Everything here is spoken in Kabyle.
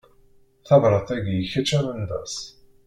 Tabrat-agi i kečč a Mendas.